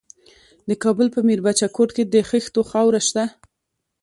د کابل په میربچه کوټ کې د خښتو خاوره شته.